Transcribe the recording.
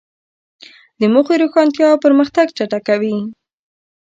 د موخې روښانتیا پرمختګ چټکوي.